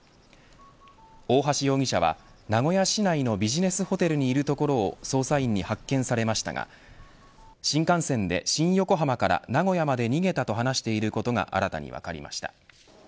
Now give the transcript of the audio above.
大橋容疑者は名古屋市内のビジネスホテルにいるところを捜査員に発見されましたが新幹線で、新横浜から名古屋まで逃げたと話していることが新たに分かりました。